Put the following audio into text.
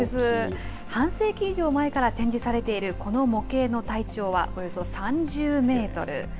半世紀以上前から展示されているこの模型の体調はおよそ３０メートル。